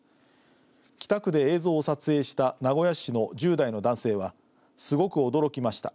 北区で映像を撮影した名古屋市の１０代の男性はすごく驚きました。